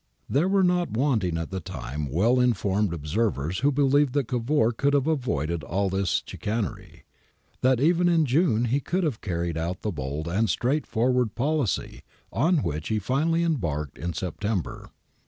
There were not wanting at the time well informed observers who believed that Cavour could have avoided all this chicanery, that even in June he could have carried out the bold and straightforward policy on which he finally embarked in September.